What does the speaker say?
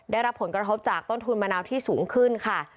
ได้รับผลกระทบจากต้นทุนมะนาวที่สูงขึ้นค่ะ